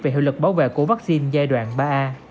về hiệu lực bảo vệ của vaccine giai đoạn ba a